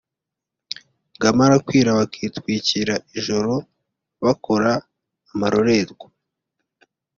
bwamara kwira bakitwikira ijoro bakora amarorerwa